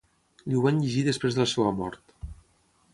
Li ho van llegir després de la seva mort.